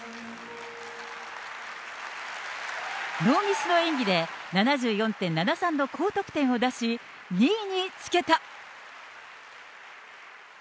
ノーミスの演技で、７４．７３の高得点を出し２位につけた。